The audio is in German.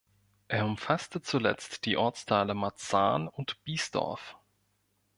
Er umfasste zuletzt die Ortsteile Marzahn und Biesdorf.